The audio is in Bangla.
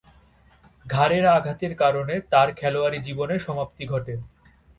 ঘাড়ের আঘাতের কারণে তার খেলোয়াড়ী জীবনের সমাপ্তি ঘটে।